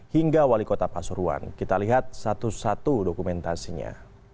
hingga wali kota pasuruan kita lihat satu satu dokumentasinya